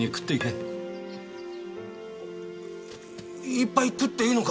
いっぱい食っていいのか！？